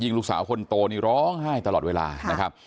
ลูกสาวคนโตนี่ร้องไห้ตลอดเวลานะครับ